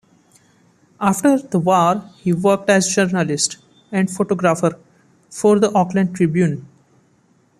After the war he worked as a journalist and photographer for the "Oakland Tribune".